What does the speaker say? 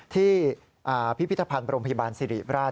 พิพิธภัณฑ์โรงพยาบาลสิริราช